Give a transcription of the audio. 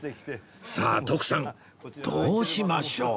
さあ徳さんどうしましょう？